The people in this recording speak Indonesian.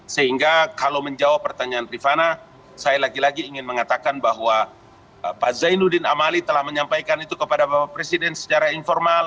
sehingga kalau menjawab pertanyaan rifana saya lagi lagi ingin mengatakan bahwa pak zainuddin amali telah menyampaikan itu kepada bapak presiden secara informal